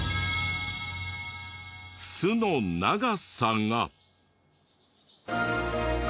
巣の長さが。